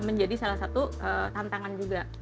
menjadi salah satu tantangan juga